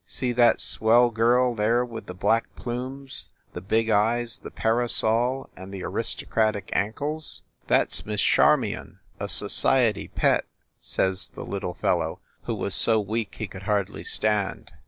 "See that swell girl there with the black plumes, the big eyes, the parasol and the aristocratic ankles ? 72 FIND THE WOMAN That s Miss Charmion, a society pet/ says the little fellow, who was so weak he could hardly stand.